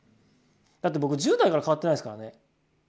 だって僕１０代から変わってないですからね。